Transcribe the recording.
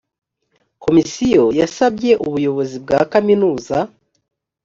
komisiyo yasabye ubuyobozi bwa kaminuza